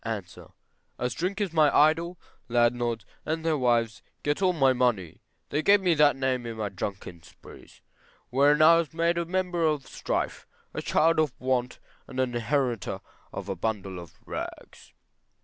A. As drink is my idol, landlords and their wives get all my money; they gave me that name in my drunken sprees, wherein I was made a member of strife, a child of want, and an inheritor of a bundle of rags.